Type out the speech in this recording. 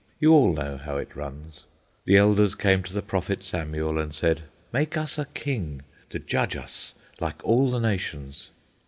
You all know how it runs. The elders came to the prophet Samuel, and said: "Make us a king to judge us like all the nations."